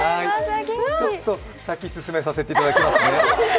ちょっと先に進めさせていただきますね。